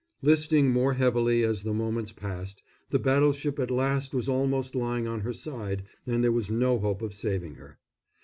Listing more heavily as the moments passed, the battleship at last was almost lying on her side and there was no hope of saving her.